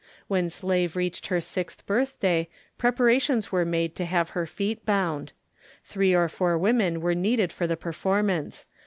When Slave reached her sixth birthday preparations were made to have her feet bound. Three or four women were needed for the performance.